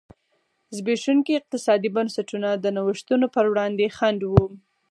زبېښونکي اقتصادي بنسټونه د نوښتونو پر وړاندې خنډ و.